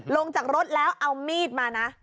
ลงจากรถแล้วเอามีดมานะ